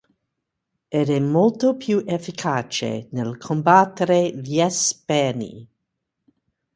Ed è molto più efficace nel combattere gli Espheni.